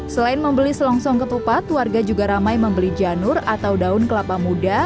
selain membeli selongsong ketupat warga juga ramai membeli janur atau daun kelapa muda